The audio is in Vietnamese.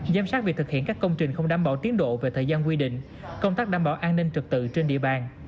giám sát việc thực hiện các công trình không đảm bảo tiến độ về thời gian quy định công tác đảm bảo an ninh trực tự trên địa bàn